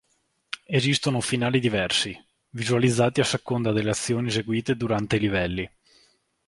Esistono finali diversi, visualizzati a seconda delle azioni eseguite durante i livelli.